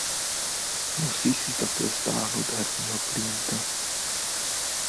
Musí si také stáhnout herního klienta.